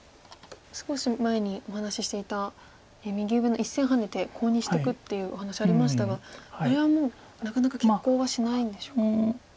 少し前にお話ししていた右上の１線ハネてコウにしていくっていうお話ありましたがあれはもうなかなか決行はしないんでしょうか。